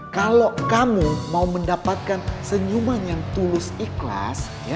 kalau kamu mau mendapatkan senyuman yang tulus ikhlas